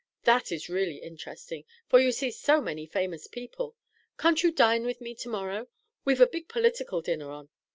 That is really interesting, for you see so many famous people. Can't you dine with me to morrow? We've a big political dinner on.